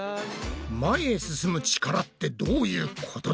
前へ進む力ってどういうことだ？